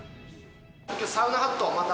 きょう、サウナハットまた。